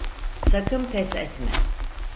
Sakın pes etme.